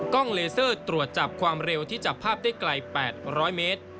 เลเซอร์ตรวจจับความเร็วที่จับภาพได้ไกล๘๐๐เมตร